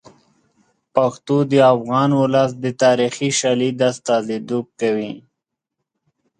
پښتو د افغان ولس د تاریخي شالید استازیتوب کوي.